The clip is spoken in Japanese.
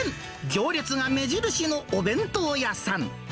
行列が目印のお弁当屋さん。